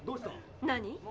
何？